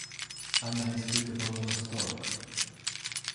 Она испытывала восторг.